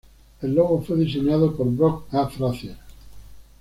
El logo fue diseñado por Brock A. Frazier.